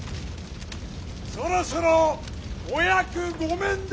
そろそろお役御免で。